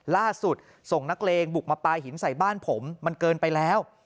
ล่าสุดส่งนักเลงบุกมาปลาหินใส่บ้านผมมันเกินไปแล้ว